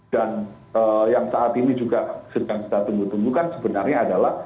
dan yang saat ini juga sedang kita tunggu tunggu kan sebenarnya adalah